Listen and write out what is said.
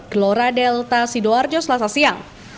gelora delta sidoarjo selasa siang